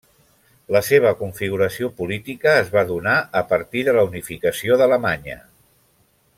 La seva configuració política es va donar a partir de la unificació d'Alemanya.